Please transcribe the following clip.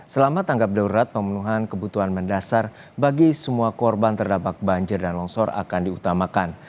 selama tanggap darurat pemenuhan kebutuhan mendasar bagi semua korban terdampak banjir dan longsor akan diutamakan